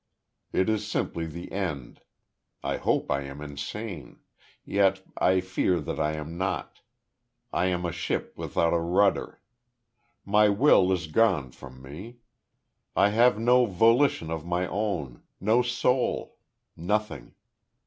It is simply the end.... I hope I am insane. Yet I fear that I am not.... I am a ship without a rudder. My will is gone from me; I have no volition of my own no soul nothing.